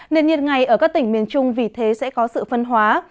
nền nhiệt ngày ở các tỉnh miền trung vì thế sẽ có sự phân hóa